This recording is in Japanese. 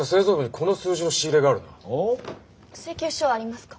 請求書ありますか？